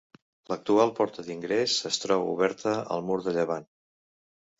L'actual porta d'ingrés es troba oberta al mur de llevant.